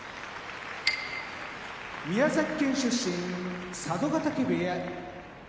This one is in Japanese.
宮崎県出身佐渡ヶ嶽部屋